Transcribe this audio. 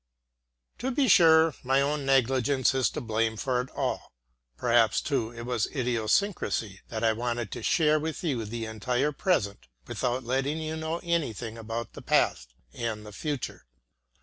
To be sure my own negligence is to blame for it all. Perhaps too it was idiosyncrasy that I wanted to share with you the entire present, without letting you know anything about the past and the future.